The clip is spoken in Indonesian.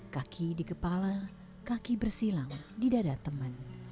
kaki di kepala kaki bersilang di dada teman